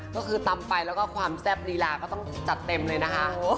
ก็คือตำไปแล้วก็ความแซ่บลีลาก็ต้องจัดเต็มเลยนะคะ